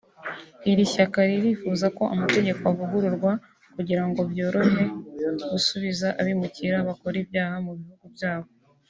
Iri shyaka ririfuza ko amategeko avugururwa kugira ngo byorohe gusubiza abimukira bakoze ibyaha mu bihugu byabo